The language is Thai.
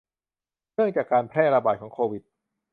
เนื่องจากการแพร่ระบาดของโควิด